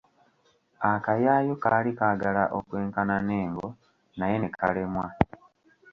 Akayaayu kaali kaagala okwenkana n’engo naye ne kalemwa.